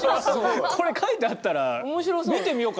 これ書いてあったら見てみようかなと思うもん。